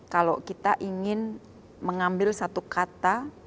kalau kita ingin mengambil satu kata